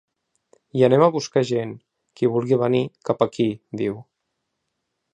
“Hi anem a buscar gent, qui vulgui venir, cap aquí”, diu.